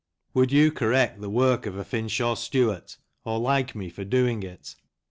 Would you correct the work of a Finch or Stuart, or like me for doing it ?